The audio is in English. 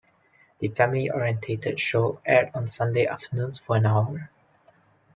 The family oriented show aired on Sunday afternoons for an hour.